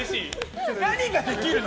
何ができるの？